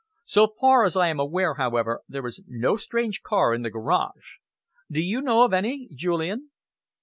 So far as I am aware, however, there is no strange car in the garage. Do you know of any, Julian?"